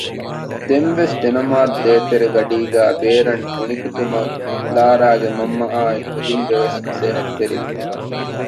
ދެންވެސް ދެނަމާދު ދޭތެރެ ގަޑީގައި ބޭރަށް ނުނިކުތުމަށް ލާރާގެ މަންމަ އާއި މުދިންބެ ވެސް ނަސޭހަތްތެރިވި